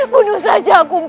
bunuh saja aku